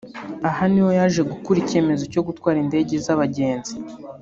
Aha niho yaje gukura icyemezo cyo gutwara indege z’abagenzi